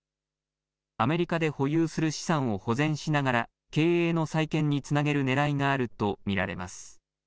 アメリカで保有する資産を保全しながら、経営の再建につなげるねらいがあると見られます。